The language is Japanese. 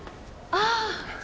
ああ！